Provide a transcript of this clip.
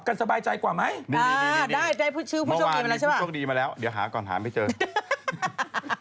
วงจุยไม่ดีอันนี้จริง